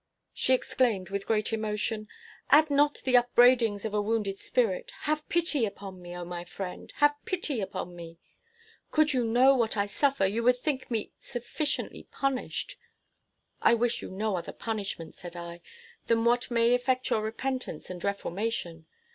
She exclaimed, with great emotion, "Add not to the upbraidings of a wounded spirit. Have pity upon me, O my friend, have pity upon me. Could you know what I suffer, you would think me sufficiently punished." "I wish you no other punishment," said I, "than what may effect your repentance and reformation.